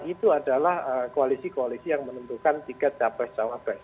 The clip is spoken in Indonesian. itu adalah koalisi koalisi yang menentukan jika capres sama pres